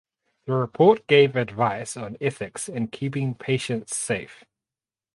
The report gave advice on ethics and keeping patients safe.